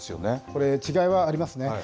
これ、違いはありますね。